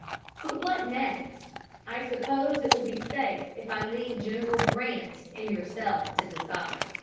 But what next? I suppose it will be safe if I leave General Grant and yourself to decide.